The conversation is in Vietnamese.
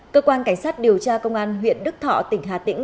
cơ quan cảnh sát điều tra công an huyện đức thọ tỉnh hà tĩnh